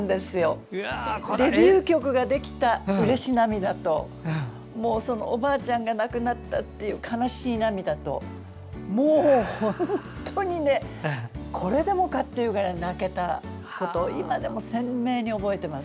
デビュー曲ができたうれし涙とおばあちゃんが亡くなったっていう悲しい涙ともう本当に、これでもかというくらい泣けたことを今でも鮮明に覚えています。